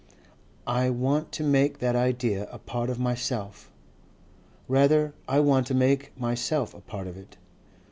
I want to make that idea a part of myself. Rather I want to make myself a part of it.